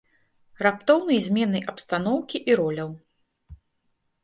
Раптоўнай зменай абстаноўкі і роляў.